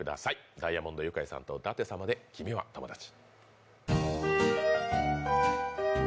ダイアモンド☆ユカイさんと舘様で「君はともだち」。